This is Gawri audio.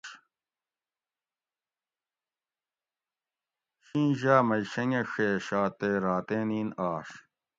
شینش یا مئی شینگہ ڛیش آتے راتیں نین آش